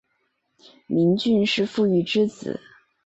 明俊是傅玉之子。